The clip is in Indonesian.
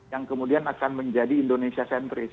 yang kemudian akan menjadi indonesia sentris